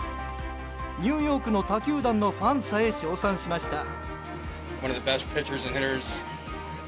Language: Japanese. ニューヨークの他球団のファンさえ称賛しました。